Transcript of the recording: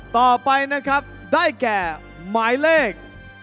ต่อไปนะครับได้แก่หมายเลข